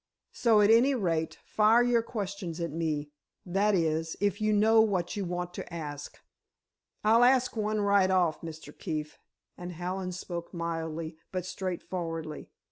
So, at any rate, fire your questions at me—that is, if you know what you want to ask." "I'll ask one, right off, Mr. Keefe," and Hallen spoke mildly but straightforwardly.